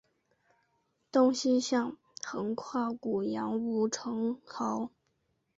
东西向横跨古杨吴城壕。